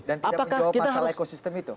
dan tidak menjawab masalah ekosistem itu